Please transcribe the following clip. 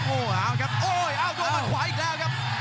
โอ้เอ้าครับโอ้เอ้าโดดมันขวายอีกแล้วครับ